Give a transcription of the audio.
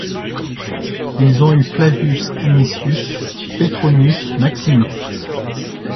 Ils ont eu Flavius Anicius Petronius Maximus.